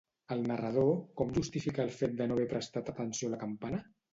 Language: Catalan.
El narrador, com justifica el fet de no haver prestat atenció a la Campana?